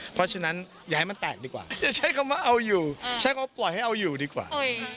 เพราะฉะนั้นอย่าให้มันแตกดีกว่าอย่าใช้คำว่าเอาอยู่ใช้คำว่าปล่อยให้เอาอยู่ดีกว่า